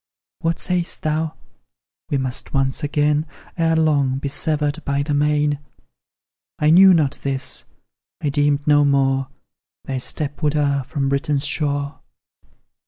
What sayst thou?" We muse once again, Ere long, be severed by the main!" I knew not this I deemed no more Thy step would err from Britain's shore.